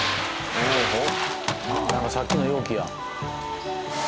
さっきの容器や。